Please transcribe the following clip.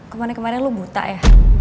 kemana kemana lo buta ya